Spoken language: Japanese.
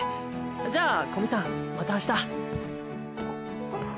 じゃあ古見さんまた明日。